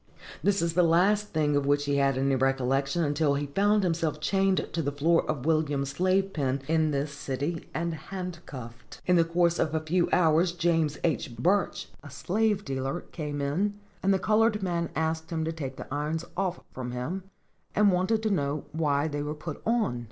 This is the last thing of which he had any recollection, until he found himself chained to the floor of Williams' slave pen in this city, and handcuffed. In the course of a few hours, James H. Burch, a slave dealer, came in, and the colored man asked him to take the irons off from him, and wanted to know why they were put on.